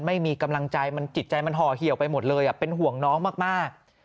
ไม่มีกำลังใจมันจิตใจมันห่อเหี่ยวไปหมดเลยเป็นห่วงน้องมาก